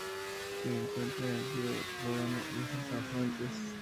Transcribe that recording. Se encuentra en el río Ródano y sus afluentes.